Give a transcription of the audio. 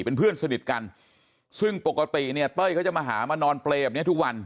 เป็นเพื่อนสนิทกันซึ่งปกติเนี่ยเต้ยเขาจะมาหามานอนเปรย์แบบนี้ทุกวัน